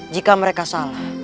jika mereka salah